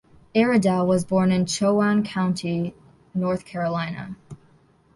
Iredell was born in Chowan County, North Carolina.